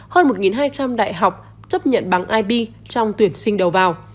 hơn một hai trăm linh đại học chấp nhận bằng ib trong tuyển sinh đầu vào